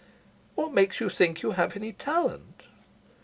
"What makes you think you have any talent?"